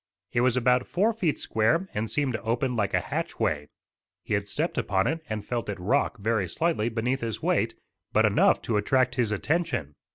It was about four feet square and seemed to open like a hatchway. He had stepped upon it and felt it rock, very slightly, beneath his weight, but enough to attract his attention.